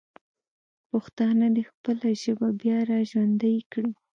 پښتانه دې خپله ژبه بیا راژوندی کړي.